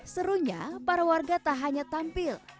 serunya para warga tak hanya tampil